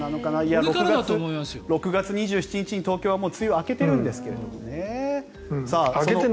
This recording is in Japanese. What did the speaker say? ６月２７日に東京は梅雨が明けてるんですけどね。